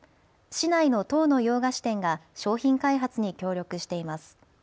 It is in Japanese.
市内の１０の洋菓子店が商品開発に協力しています。